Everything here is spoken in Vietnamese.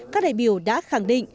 các đại biểu đã khẳng định